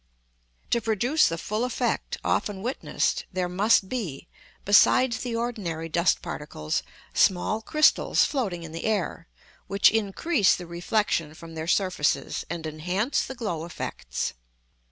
To produce the full effect often witnessed, there must be, besides the ordinary dust particles, small crystals floating in the air, which increase the reflection from their surfaces and enhance the glow effects.